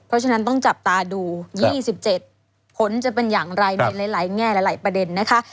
เพราะฉะนั้นต้องจับตาดู๒๗ผลจะเป็นอย่างไรในหลายแง่หลายประเด็นนะคะ